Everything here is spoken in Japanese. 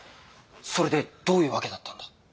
それでどういう訳だったんだ？